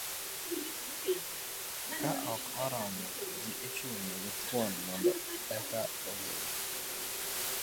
ka ok oromo, ji ichuno gi thuon mondo eka olem